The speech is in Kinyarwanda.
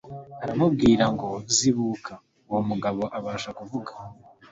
Aramubwira ngo: «zibuka.» Uwo mugabo abasha kuvuga,